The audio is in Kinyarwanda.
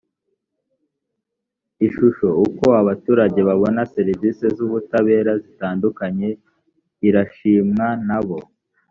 ishusho uko abaturage babona serivisi z’ ubutabera zitandukanye irashimwa nabo.